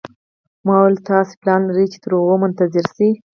ما وویل: تاسي پلان لرئ چې تر هغو منتظر شئ.